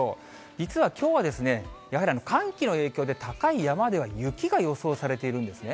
実はきょうはやはり寒気の影響で高い山では雪が予想されているんですね。